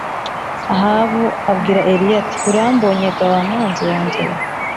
Ahabu abwira Eliya ati “Urambonye ga wa mwanzi wanjye we?”